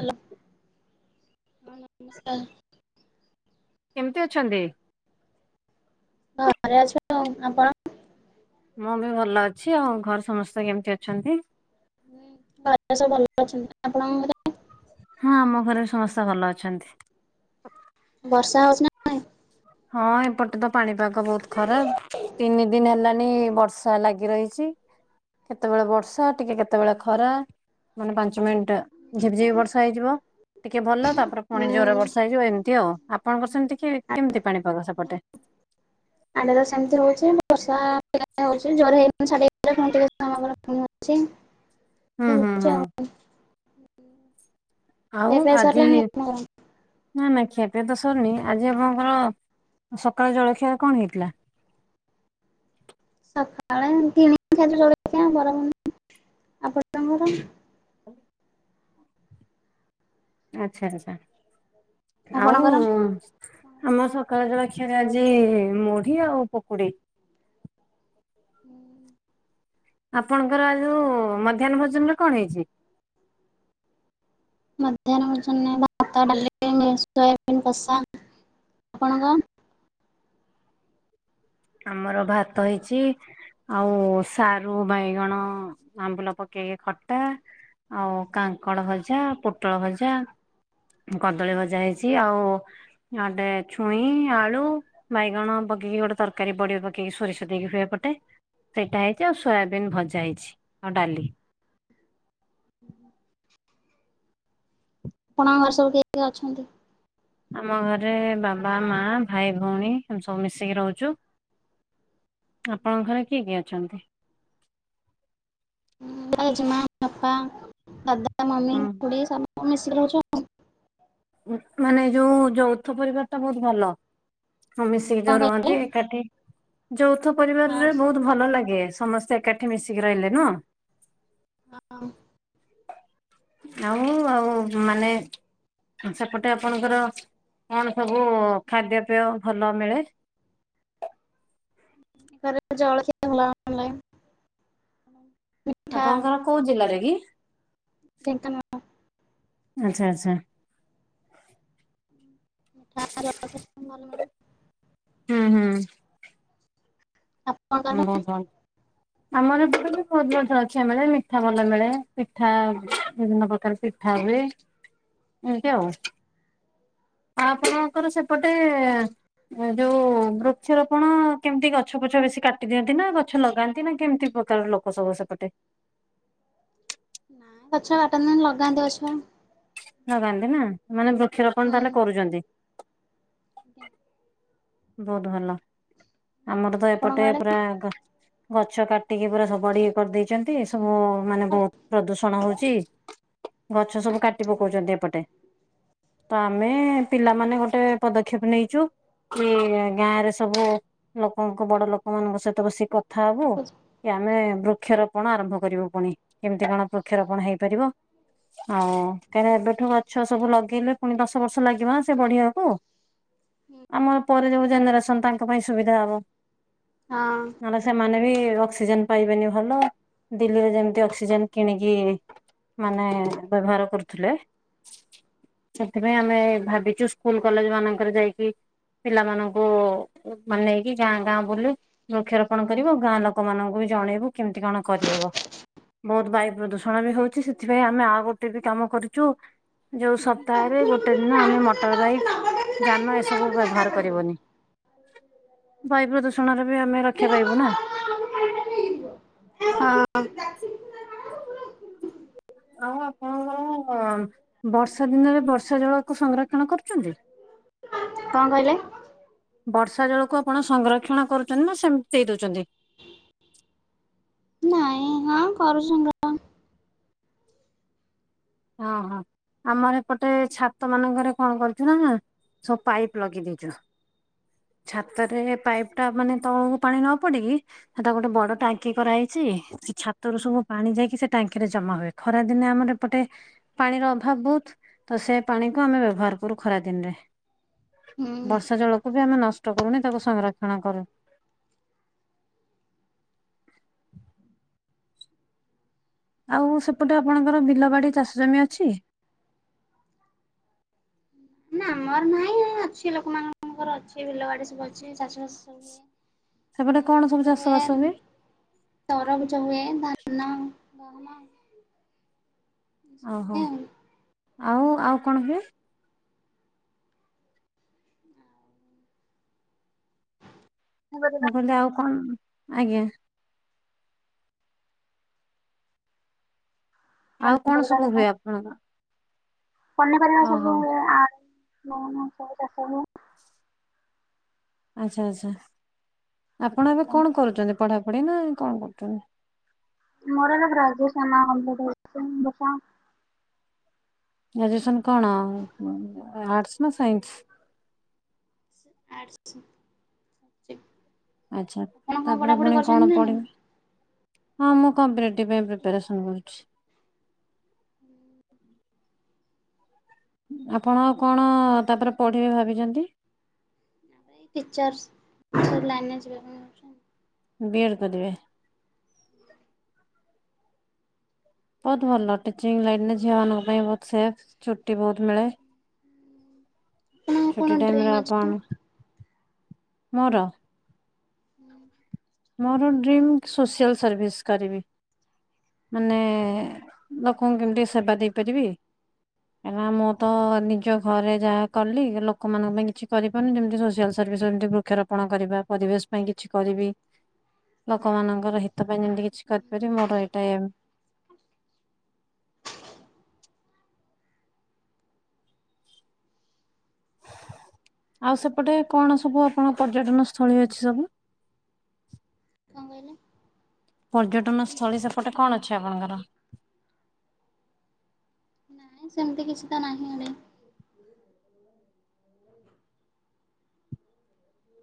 Hello ହଁ ନମସ୍କାର କେମିତି ଅଛନ୍ତି? ଘରେ ଅଛି ଆଉ ଆପଣ? ମୁଁ ବି ଭଲ ଅଛି ଆଉ ଘରେ ସମସ୍ତେ କେମିତି ଅଛନ୍ତି? ଏବେ ସବୁ ଭଲ ଅଛନ୍ତି ଆପଣଙ୍କ ଘରେ? ହଁ ଆମ ଘରେ ସମସ୍ତ ଭଲ ଅଛନ୍ତି ବର୍ଷା ହଉଛି ନା? ନାଇଁ? ହଁ ଏପଟେ ତ ପାଣିପାଗ ବହୁତ ଖରାପ ତିନି ଦିନ ହେଲାଣି ବର୍ଷା ଲାଗି ରହିଛି କେତେବେଳେ ବର୍ଷା ଟିକେ କେତେବେଳେ ଖରା ମାନେ ପାଞ୍ଚ ମିନିଟ ଝିପିଝିପି ବର୍ଷା ହେଇଯିବ ଟିକେ ଭଲ ତାପରେ ପୁଣି ଯୋରରେ ବର୍ଷା ହେଇଯିବ ଏମିତି ଆଉ ଆପଣଙ୍କର ସେମିତି କି କେମିତି ପାଣିପାଗ ସେପଟେ? [unintelligible] ସେମିତି ହଉଛି ବର୍ଷା [unintelligible] [unintelligible] ହଉଛି ହଉଛି ଆଉ ଖିଆ ହୁଁ ହୁଁ ହୁଁ ଆଉ ପିଆ ଆଜି ସରିଲାଣି ଆପଣଙ୍କର? ନା ନା ଖିଆ ପିଆ ତ ସରିନି ଆଜି ଆପଣଙ୍କର ସକାଳ ଜଳଖିଆ କଣ ହେଇଥିଲା? ସକାଳେ ଏମିତି [unintelligible] ଆପଣଙ୍କର? ଆଚ୍ଛା ଆଛା ଆଉ ଆପଣଙ୍କର? ଆମ ସକାଳ ଜଳଖିଆରେ ଆଜି ମୁଢି ଆଉ ପକୁଡି ହୁଁ ଆପଣଙ୍କର ଆ ଯଉ ମଧ୍ୟାହ୍ନ ଭୋଜନରେ କଣ ହେଇଛି? ମଧ୍ୟାହ୍ନ ଭୋଜନରେ ଭାତ ଡାଲି ମିକ୍ସ ସୋୟାବିନ୍ କସା ଆପଣଙ୍କ? ଆମର ଭାତ ହେଇଛି ଆଉ ସାରୁ ବାଇଗଣ ଆମ୍ବୁଲ ପକେଇକି ଖଟା ଆଉ କାଙ୍କଡ ଭଜା ପୋଟଳ ଭଜା କଦଳୀ ଭଜା ହେଇଛି ଆଉ ଆଉଟେ ଛୁଇଁ ଆଳୁ ବାଇଗଣ ପକେଇକି ଗୋଟ ତରକା- କାରୀ ବଡି ପକେଇକି ସୋରିଷ ଦେଇକି ଏ ପଟେ ସେଇଟା ହେଇଛି ଆଉ ସୋୟାବିନ୍ ଭଜା ହେଇଛି ଆଉ ଡାଲି [inaudible] ଆପଣଙ୍କ ଘରେ ସବୁ କିଏ କିଏ ଅଛନ୍ତି? ଆମ ଘରେ ବାବା ମା ଭାଇ ଭଉଣୀ ଆମେ ସବୁ ମିଶିକି ରହୁଛୁ ଆପଣଙ୍କ ଘରେ କିଏ କିଏ ଅଛନ୍ତି? ଜେଜେ ମା ବାପା ଦାଦା ମମି ହଁ ଖୁଡି ସବୁ ମିଶିକି ରହୁଛୁ ଆଉ ମାନେ ଯୋଉ ଯୌଥ ପରିବାରଟା ବହୁତ ଭଲ ମିଶିକି କଣ ଯୋଉ କହିଲେ? ରୁହନ୍ତି ଏକାଠି ଯୌଥ ହଁ ପରିବାରରେ ବହୁତ୍ ଭଲ ଲାଗେ ସମସ୍ତେ ଏକାଠି ମିଶିକି ରହିଲେ ନୁହଁ। ନା ଆଉ ଆଉ ମାନେ। ସେପଟେ ଆପଣଙ୍କର କଣ ସବୁ ଖାଦ୍ୟ ପେୟ ଭଲ ମିଳେ। କରେ ଅଲାଇନ୍। ଆପଣଙ୍କର କୋଉ ଜିଲ୍ଲାରେରେ କି? ଢେଙ୍କାନାଳ। ଆଚ୍ଛା ଆଚ୍ଛା। ମିଠା ର ଭଲ ମିଳେ। ହୁଁ ହୁଁ। ଆପଣଙ୍କ ହଁ ଆଡେ? ବହୁତ ଭଲ ଆମର ଏ ବହୁତ ବି ଅଛି ମିଳେ ମିଠା ଭଲ ମିଳେ। ପିଠା ବିଭିନ୍ନ ପ୍ରକାର ପିଠା ହୁଏ ଏମିତି ଆଉ। ଆଆପଣଙ୍କର ସେପଟେ ଯୋଉ ବୃକ୍ଷରୋପଣ କେମିତି ଗଛ ପଛ ବେଶୀ କାଟି କାଟି ଦିଅନ୍ତି ନା ଗଛ ଲଗାନ୍ତି ନା କେମିତି ପ୍ରକାର ଲୋକ ସବୁ ସେପଟେ। ନାଇଁ ଗଛ ବାଟନ୍ତି ଲଗାନ୍ତି ପଛେ। ନ ଲଗାନ୍ତି ନା ମାନେ ବୃକ୍ଷରୋପଣ ତାହେଲେ କରୁଛନ୍ତି। ବହୁତ୍ ଭଲ ଆମର ତ ଆପଣଙ୍କ ଏପଟେ ଆଡେ? ପୁରା ଗଛ କାଟିକି ପୁରା ସବୁ ଏ କରିଦେଇଛନ୍ତି ସବୁ ମାନେ ବହୁତ ପ୍ରଦୂଷଣ ହଉଛି। ଗଛ ସବୁ କାଟି ପକଉଛନ୍ତି ଏପଟେ। ତ ଆମେ ପିଲାମାନେ ଗୋଟେ ପଦକ୍ଷେପ ନେଇଛୁ। କି ଗାଁ ରେ ସବୁ ଲୋକଙ୍କୁ ବଡ ଲୋକ ମାନଙ୍କ ସହିତ ବସିକି କଥା ହବୁ। ହଁ। କି ଆମେ ବୃକ୍ଷରୋପଣ ଆରମ୍ଭ କରିବୁ ପୁଣି କେମିତି କଣ ବୃକ୍ଷରୋପଣ ହେଇପାରିବ। ଆଉ କାହିଁକ ଏବେଠୁ ଗଛ ସବୁ ଲଗେଇଲେ ପୁଣି ଦଶ ବର୍ଷ ଲାଗିବ ସେ ବଢିବାକୁ। ହଁ। ଆମ ପରେ ଯୋଉ ଜେନେରେସନ୍ ତାଙ୍କ ପାଇଁ ସୁବିଧା ହବ। ହଁ। ନଲେ ସେମାନେ ବି ଅକ୍ସିଜେନ ପାଇବେନି ଭଲ ଦିଲ୍ଲୀରେ ଯେମିତି ଅକ୍ସିଜେନ କିଣିକି ମାନେ ବ୍ୟବହାର କରୁଥିଲେ। ସେଥିପାଇଁ ଆମେ ଭାବିଛୁ ସ୍କୁଲ କଲେଜ ମାନଙ୍କରେ ଯାଇକି ପିଲାମାନଙ୍କୁ ମାନେ ନେଇକି ଗାଁ ଗାଁ ବୁଲୁ ବୃକ୍ଷରୋପଣ କରିବୁ ଗାଁ ଲୋକମାନାନଙ୍କୁ ବି ଜଣେଇବୁ କେମିତି କଣ କରିହବ। ବହୁତ ବାୟୁ ପ୍ରଦୂଷଣ ବି ହଉଛି ସେଥିପାଇଁ ଆମେ ଆଉ ଗୋଟେ ବି କାମ କରୁଛୁ। ଯୋଉ ସପ୍ତାହରେ ଗୋଟେ ଦିନ ଆମେ ମ ମଟର ବାଇକ୍ ଯାନ ଏସବୁ ବ୍ୟବହାର କରିବନି। ବାୟୁ ପ୍ରଦୂଷଣରେ ବି ଆମେ ରକ୍ଷା ପାଇବୁ ନା। [inaudible] ହଁ। ଆଉ ଆପଣଙ୍କର। ଓଁ ବର୍ଷା ଦିନେ ବର୍ଷା ଜଳକୁ ସଂରକ୍ଷଣ କରୁଛନ୍ତି। କଣ କହିଲେ? ବର୍ଷା ଜଳକୁ ଆପଣ ସଂରକ୍ଷଣ କରୁଛନ୍ତି ନା ସେ-ମିତି ଦେଇ ଦଉଛନ୍ତି? ନାଇଁ ହଁ କରୁଛୁ ସ ଓହୋ! ଆମର ଏପଟେ ଛାତ ମାନଙ୍କରେ କଣ କରିଛୁ ନା ନା ସବୁ ପାଇପ୍ ଲଗେଇ ଦେଇଛୁ। ଛାତରେ ପାଇପ୍ ଟା ମାନେ ତଳକୁ ପାଣି ନ ପଡିକି ହେଟା ଗୋଟେ ବଡ଼ ଟାଙ୍କି କରାହେଇଛି। ସେ ଛାତରୁ ସବୁ ପାଣି ଯାଇକି। ସେ ଟାଙ୍କିରେ ଜମା ହୁଏ। ଖରା ଦିନେ ଆମର ଏପଟେ ପାଣିର ଅଭାବ ବହୁତ ତ ସେ ପାଣି କ ଆମେ ବ୍ୟବହାର କରୁ ଖରା ଦିନରେ। ହୁଁ। ବର୍ଷା ଜଳକୁ ବି ଆମେ ନଷ୍ଟ କରୁନି ତାକୁ ସଂରକ୍ଷଣ କରୁ। ଆଉ ସେପଟେ ଆପଣଙ୍କର ବିଲ ବାଡି ଚାଷ ଜମି ଅଛି। ନା ଆମର ନାହିଁ ଅଛି ଲୋକମାନଙ୍କର ଅଛି ବିଲ ବାଡି ସବୁ ଅଛି ଚାଷ ବାଷ ସବୁ। ସେପଟେ ତା କଣ ସବୁ ପୁଝା ଚାଷ ହୁଏ ଏ ବାସ ତରଭୁଜ ହୁଏ ଧାନ ଗହମ ଏସବୁ ଓହୋ ହୁଏ ଆଉ। ଆଉ ଆଉ କଣ ବି [inaudible] କହିଲେ ଆଉ କଣ ଆଜ୍ଞା। ଆଉ କଣ ସବୁ ହୁଏ ଆପଣଙ୍କ ପନିପରିବା ସବୁ ଓହୋ ହୁଏ ଆଳୁ ଗହମ ଫଳ ଚୀଷ ହୁଏ। ଆଚ୍ଛା ଆଚ୍ଛା ଆପଣ ଏବେ କଣ କରୁଛନ୍ତି ପଢାପଢି ନା କଣ କରୁଛନ୍ତି? ମୋର ଗ୍ରାଜୁଏସନ ଗମ୍ପ୍ଲିଟ୍ ହେଇଚି [unintelligible] ଗ୍ରାଜୁଏସନ କଣ ଆର୍ଟସ୍ ନା ସାଇନ୍ସ୍? ଆର୍ଟସ୍ ଆଚ୍ଛା ଆପଣ କଣ ତା ପରେ ପଢ଼ାପଢ଼ି ପୁଣି କରିଛନ୍ତି କଅଣ ନା ନାଇଁ? ପଡ଼ିବ? ହଁ ମୁଁ କମ୍ପରେଟିଭ୍ ପାଇଁ ପ୍ରିପାରେସନ କରୁଛି। ଆପଣ କଅଣ ତାପରେ ପଢ଼ିବେ ଭାବିଛନ୍ତି। ପିକଚର୍ସ୍ ଲାଇନ୍ ରେ ଯିବା ପାଇଁ ବିଲ୍ କରିଦେବେ। ବହୁତ ଭଲ। ଟିଚିଂ ଲାଇନରେ ଝିଅମାନଙ୍କ ପାଇଁ ବହୁତ ସେଫ୍ ଛୁଟି ବହୁତ୍ ମିଳେ। ଆପଣ କଣ ଛୁଟି ଡ୍ରିମ୍ ଟାଇମରେ ଅଛି? ଆପଣ ମୋର [inaudible] ମୋର ଡ୍ରିମ୍ ସୋସିଆଲ୍ ସର୍ଭିସ୍ କରିବି। ମା-ନେ-ଏ -ଏ ଲୋକଙ୍କୁ କେମିତି ସେବା ଦେଇପାରିବି। ଏନା ମୁଁ ତ-ନିଜ ଘରେ ଯାହା କଲି ଲୋକମାନଙ୍କ ପାଇଁ କିଛି କରି ମାନେ ଯେମିତି ସୋସିଆଲ୍ ସର୍ଭିସ୍। ଯେମିତି ବୃକ୍ଷରୋପଣ କରିବା। ପରିବେଶ ପାଇଁ କିଛି କରିବି। ଲୋକମାନଙ୍କର ହିତ ପାଇଁ ଯେମିତି କିଛି କରିପାରିବି ମୋର ଏଇଟା ଏ ଏମ୍। ଆଉ ସେପଟେ କଣ ସବୁ ଆପଣ ପର୍ଯ୍ୟଟନ ସ୍ଥଳୀ ଅଛି ସବୁ। କଣ କହିଲେ? ପର୍ଯ୍ୟଟନ ସ୍ଥଳୀ ସେପଟେ କଣ ଅଛି ଆପଣଙ୍କର। ନାଇଁ ସେମିତି କିଛି ତ ନାହିଁ ଏଣେ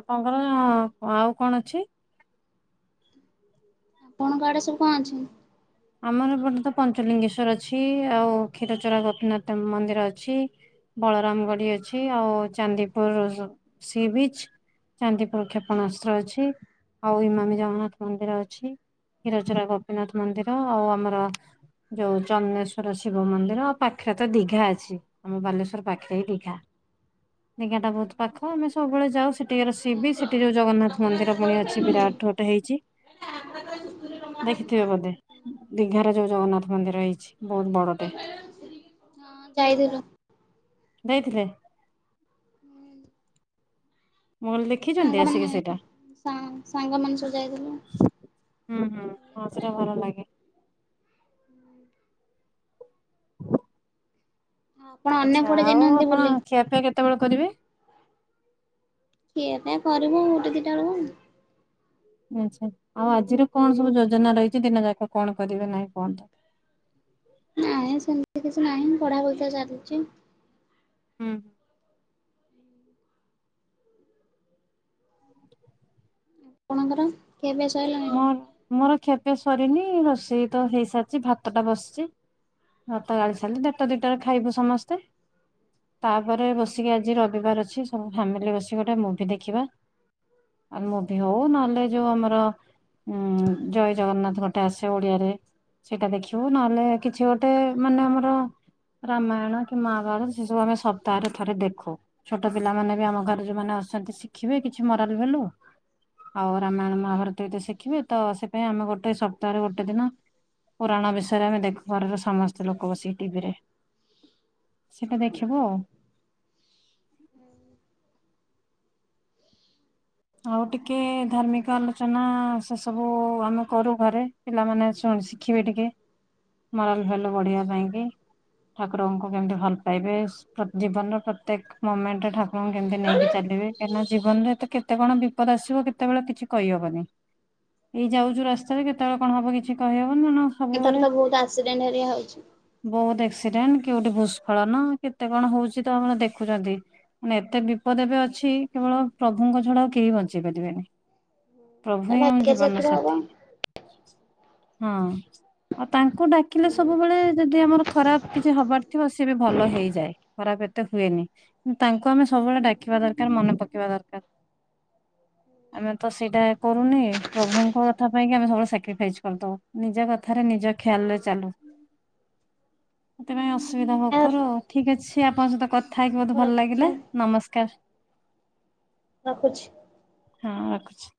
ଆପଣଙ୍କର--ଆଉ କଣ ଅଛି। ଆପଣଙ୍କ ଆଡ଼େ ସବୁ କଅଣ ଅଛି? ଆମର ଏପଟେ ତ ପଞ୍ଚଲିଙ୍ଗେଶ୍ଵର ଅଛି। ଆଉ କ୍ଷୀରଚୋରା ଗୋପୀନାଥ ମନ୍ଦିର ଅଛି। ବଳରାମ ଗଡି ଅଛି। ଆଉ ଚାନ୍ଦିପୁର ସି ବିଚ୍। ଚାନ୍ଦିପୁର କ୍ଷେପଣାସ୍ତ୍ର ଅଛି। ଆଉ ଇମାମୀ ଜଗନ୍ନାଥ ମନ୍ଦିର ଅଛି। କ୍ଷୀରଚୋରା ଗୋପୀନାଥ ମନ୍ଦିର। ଆଉ ଆମର ଯୋଉ ଚନ୍ଦନେଶ୍ଵର ଶିବ ମନ୍ଦିର। ପାଖରେ ତ ଦିଘା ଅଛି। ଆମ ବାଲେଶ୍ଵର ପାଖରେ ହିଁ ଦିଘା। [inaudible] ସେ ଗାଁଟା ବହୁତ ପାଖ ଆମେ ସବୁବେଳେ ଯାଉ ସେଠିକି ର ରୋଷେଇ ବି ହଁ ସେଠି ଯୋଉ ଜଗନ୍ନାଥ ମନ୍ଦିର ପୁଣି ଅଛି ବିରାଟ। ହେଇଛି ଦେଖିଥିବେ ବୋଧେ? ଦିଘାରେ ଯୋଉ ଜଗନ୍ନାଥ ମନ୍ଦିର ହେଇଛି ବହୁତ ବଡ଼ଟେ। ହଁ ଯାଉଥିଲୁ। ଯାଇଥିଲେ। ମୁଁ ଲି ଦେଖିଛନ୍ତି ସାଙ୍ଗମାନେ ଆସିକି ସେଇଟା? ସାଙ୍ଗମାନେ ସବୁ ଯାଇଥିଲୁ। ହୁଁ ହୁଁ ହଁ ସେଟା ଭଲ ଲାଗେ। ଆପଣ ଅନ୍ୟ ଆଚ୍ଛା କୁଆଡ଼େ ଆଉ ଯାଇନାହାନ୍ତି ଆପଣ ବୁଲି? ଖିଆପିଆ କେତେବେଳେ କରିବେ? ଖିଆପିଆ କରିବୁ ଗୋଟେ ଦିଟା ବେଳକୁ। ଆଚ୍ଛା ଆଉ ଆଜିର କଣ ସବୁ ଯୋଜନା ରହିଛି ଦିନ ଯାକ କଣ କରିବେ ନାହିଁ କୁହନ୍ତୁ। ନାହିଁ, ସେମିତି କିଛି ନାହିଁ। ପଢା ପଇସା ଚାଲିଛି। ହୁଁ। ଆପଣଙ୍କର ଖିଆପିଆ ସଇଲା? ମୋର, ମୋର ଖିଆପିଆ ସରିନି। ରୋଷେଇ ତ ହେଇସାରିଛି, ଭାତ ଟା ବସିଛି। ଭାତଗାଳି ସାରିଲି, ଦେଢ଼ଟା ଦୁଇଟାରେ ଖାଇବୁ ସମସ୍ତେ। ତା'ପରେ ବସିକି ଆଜି ରବିବାର ଅଛି, ସବୁ ଫ୍ୟାମିଲି ବସି ଗୋଟେ ମୁଭି ଦେଖିବା। ଆଲ୍ ମୁଭି ହଉ, ନହେଲେ ଯୋଉ ଆମର ଉଁ-ଉଁ ଜୟ ଜଗନ୍ନାଥ ଗୋଟେ ଆସେ ଓଡିଆରେ। ସେଇଟା ଦେଖିବୁ, ନହେଲେ କିଛି ଗୋଟେ ମାନେ ଆମର ରାମାୟଣ କି ମହାଭାରତ ସେ ସବୁ ଆମେ ସପ୍ତାହରେ ଥରେ ଦେଖୁ। ଛୋଟ ପିଲାମାନେ ବି ଆମ ଘରେ ଯୋଉଁମାନେ ଅଛନ୍ତି, ଶିଖିବେ କିଛି ମରାଲ୍ ଭେଲୁ। ଆଉ, ରାମାୟଣ, ମହାଭାରତ [unintelligible] ଶିଖିବେ ତ ସେ ପାଇଁଁ ଆମେ ଗୋଟେ ସବ୍ ତାର ଗୋଟେ ଦିନ ପୁରାଣ ବିଷୟରେ ଆମେ ଦେଖିପାରିଲୁ, ସମସ୍ତେ ଲୋକ ବସିକି ଟିଭିରେ। ସେଇଟା ଦେଖବୁ ଆଉ। ଆଉ, ଟିକେ ଧାର୍ମିକ ଆଲୋଚନା ସେ ସବୁ ଆମେ କରୁ ଘରେ। ପିଲାମାନେ ସ୍ୱଂ ଶିଖିବେ ଟିକେ, ମରାଲ୍ ଭାଲ୍ୟୁ ବଢ଼ିବା ପାଇଁ କି। ଠାକୁରଙ୍କୁ କେମିତି ଭଲ ପାଇବେ, ଜୀବନର ପ୍ରତ୍ୟେକ ମୁମେଣ୍ଟ ରେ ଠାକ୍ ଙ୍କୁ କେମିତି ନେଇକି ଚାଲିବେ, କାହିଁକିନା, ଜୀବନରେ ତ କେତ୍ କେତେ କଣ ବିପଦ ଆସିବ, କେତେବେଳେ କିଛି କହିହବନି? ଏଇ ଯାଉଛୁ ରାସ୍ତାରେ କେତ୍ କେତେଳ କଣ ହବ କିଛି କହିହବ ନା ଣ? ଏ ଥରତ ବହୁତ ଆକ୍ସିଡେଣ୍ଟ ହେରିକା ହଉଛି। ବହୁତ ଆକ୍ସିଡେଣ୍ଟ, କେଉଁଠି ଭୂସ୍କଳନ, କେତେ କଣ ହଉଛି ତ ଆପଣ ଦେଖୁଛନ୍ତି। ମାନ ଏତେ ବିପଦ ଏବେ ଅଛି! କେବଳ ପ୍ରଭୁଙ୍କ ଛଡା ଆଉ କେହି ବଞ୍ଚେଇ ପାରିବେନି। ପ୍ରଭୁ ହିଁ ଭାଗ୍ୟରେ ଆମ ଜୀବନ ଯେତିକି ହବ ସାଥିୀ। ହଁ, ଆଉ, ତାଙ୍କୁ ଡାକିଲେ ସବୁବେଳେ ଯଦି ଆମର ଖରାପ କିଛି ହବାର ଥିବ, ସିଏ ବି ଭଲ ହେଇଯାଏ। ଖରାପ ଏତେ ହୁଏନି, କିନ୍ତୁ ତାଙ୍କୁ ଆମେ ସବୁବେଳେ ଡାକିବା ଦରକାର ମନେ ପକେଇବା ଦରକାର। ଆମେ ତ ସେଇଟା କରୁନେ, ପ୍ରଭୁଙ୍କ କଥା ପାଇଁକି ଆମେ ସବୁବେଳେ ସାକ୍ରିଫାଇଜ୍ କରିଦବୁ। ନିଜ କଥାରେ, ନିଜ ଖୟାଲରେ ଚାଲୁ। ସେଥିପାଇଁ ଅସୁବିଧା ଭୋଗ ଆ କରୁ ଆଉ। ଠିକ୍ ଅଛି, ଆପଣଙ୍କ ସହିତ କଥା ହେଇକି ବହୁତ ମୁଁ ଭଲ ଲାଗିଲା। ରଖୁଛି ନମସ୍କାର! ରଖୁଛି। ହଁ, ରଖୁଛି।